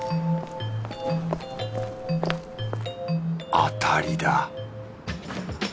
当たりだ